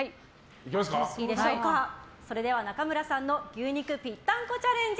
それでは中村さんの牛肉ぴったんこチャレンジ